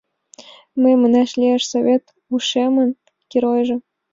Мый, манаш лиеш, Совет ушемын геройжо!..